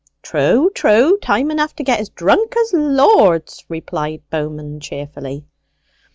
"True, true time enough to get as drunk as lords!" replied Bowman cheerfully.